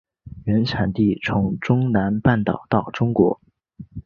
原产地从中南半岛到中国。